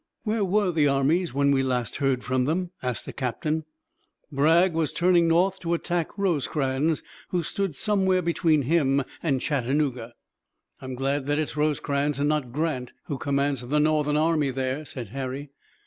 "Where were the armies when we last heard from them?" asked a captain. "Bragg was turning north to attack Rosecrans, who stood somewhere between him and Chattanooga." "I'm glad that it's Rosecrans and not Grant who commands the Northern army there," said Harry.